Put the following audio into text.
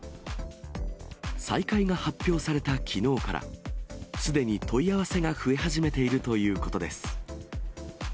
再開が発表されたきのうから、すでに問い合わせが増え始めているということです。